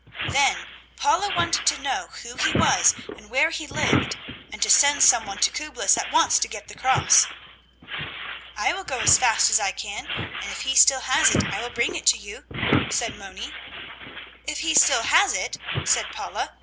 Then Paula wanted to know who he was and where he lived, and to send some one to Küblis at once to get the cross. "I will go as fast as I can, and if he still has it I will bring it to you," said Moni. "If he still has it?" said Paula.